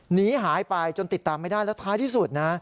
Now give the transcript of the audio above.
หนีหายไปจนติดตามไม่ได้แล้วท้ายที่สุดนะ